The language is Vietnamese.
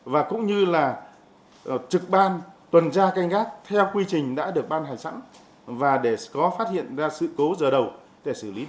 và cũng như là trực ban tuần tra canh gác theo quy trình đã được ban hành sẵn và để có phát hiện ra sự cố giờ đầu để xử lý